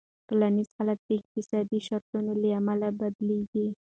ټولنیز حالت د اقتصادي شرایطو له امله بدلېږي.